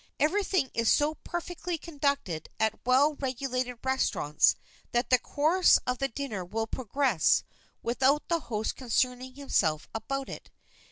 Everything is so perfectly conducted at well regulated restaurants that the course of the dinner will progress without the host's concerning himself about it.